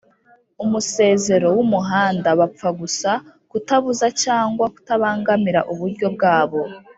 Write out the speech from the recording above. umusezero w umuhanda bapfa gusa kutabuza cyangwa kutabangamira uburyo bwabo